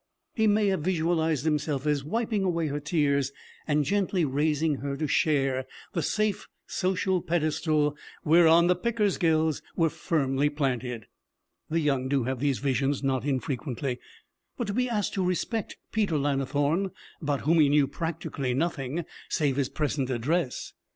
He may have visualized himself as wiping away her tears and gently raising her to share the safe social pedestal whereon the Pickersgills were firmly planted. The young do have these visions not infrequently. But to be asked to respect Peter Lannithorne, about whom he knew practically nothing save his present address!